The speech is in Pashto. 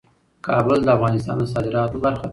کابل د افغانستان د صادراتو برخه ده.